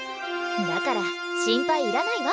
だから心配いらないわ。